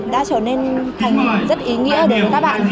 đã trở nên thành rất ý nghĩa đến các bạn